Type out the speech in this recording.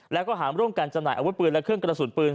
แล้วก็หามร่วมกันจำหน่ายอาวุธปืนและเครื่องกระสุนปืน